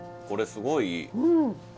これすごいいい。